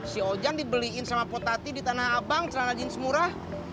si ojang dibeliin sama potati di tanah abang celana jeans murah